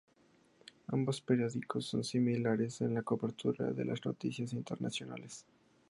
Ambos periódicos son similares en la cobertura de las noticias internacionales.